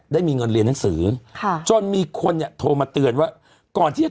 ได้มีเงินเรียนหนังสือค่ะจนมีคนเนี่ยโทรมาเตือนว่าก่อนที่จะ